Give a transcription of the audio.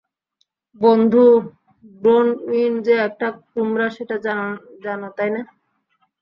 বন্ধু, ব্রোনউইন যে একটা কুমড়া সেটা জানো, তাই না?